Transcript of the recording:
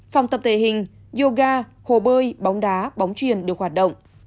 phòng tập thể hình yoga hồ bơi bóng đá bóng truyền được hoạt động